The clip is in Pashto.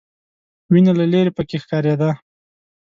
وینه له ليرې پکې ښکارېده.